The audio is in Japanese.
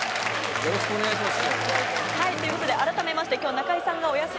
よろしくお願いします。